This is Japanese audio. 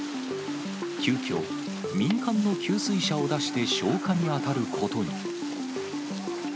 急きょ、民間の給水車を出して消火に当たることに。